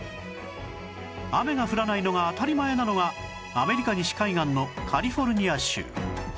雨が降らないのが当たり前なのがアメリカ西海岸のカリフォルニア州